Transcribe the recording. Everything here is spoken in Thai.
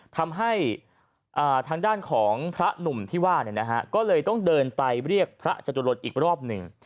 ทำให้ทางด้านของพระหนุ่มที่ว่าก็เลยต้องเดินไปเรียกพระจตุรนอีกรอบหนึ่ง